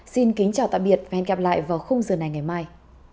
xin kính chào tạm biệt và hẹn gặp lại vào khung giờ này ngày mai